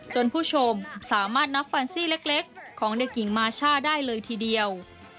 ผู้ชมสามารถนับแฟนซี่เล็กของเด็กหญิงมาช่าได้เลยทีเดียว